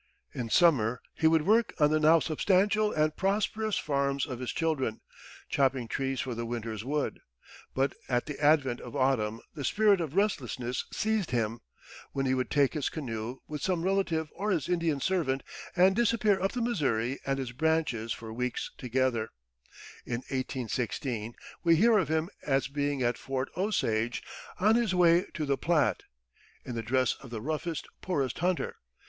In summer he would work on the now substantial and prosperous farms of his children, chopping trees for the winter's wood. But at the advent of autumn the spirit of restlessness seized him, when he would take his canoe, with some relative or his Indian servant, and disappear up the Missouri and its branches for weeks together. In 1816, we hear of him as being at Fort Osage, on his way to the Platte, "in the dress of the roughest, poorest hunter."